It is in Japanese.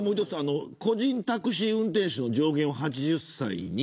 個人タクシー運転手の上限を８０歳に。